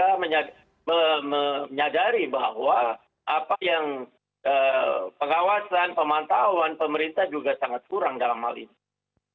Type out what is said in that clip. kita menyadari bahwa apa yang pengawasan pemantauan pemerintah juga sangat kurang dalam hal ini